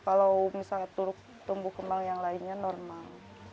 kalau misalnya turuk tumbuh kembang yang lainnya normal